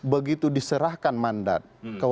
begitu diserahkan mandat